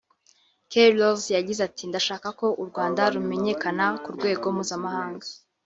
K Rollz yagize ati “ Ndashaka ko u Rwanda rumenyekana ku rwego mpuzamahanga